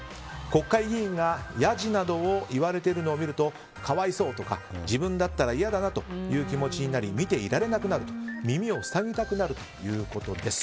国会議員がやじなどを言われているのを見ると可哀想とか、自分だったら嫌だなという気持ちになり見ていられなくなる耳を塞ぎたくなるということです。